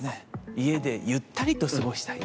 家でゆったりと過ごしたいなと。